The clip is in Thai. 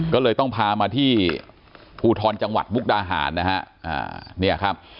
ก็เลยต้องพามาที่ภูทรจังหวัดบุคดาหารนะครับ